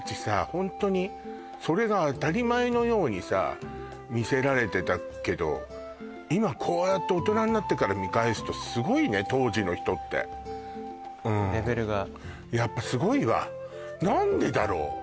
ホントにそれが当たり前のようにさ見せられてたけど今こうやって大人になってから見返すとすごいね当時の人ってレベルがやっぱすごいわ何でだろう？